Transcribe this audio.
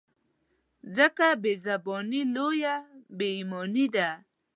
ځکه بې زباني لویه بې ایماني ده.